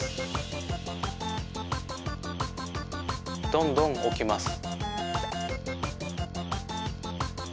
どんどんおきます。